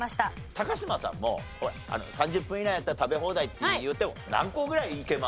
高嶋さんも３０分以内だったら食べ放題っていうと何個ぐらいいけます？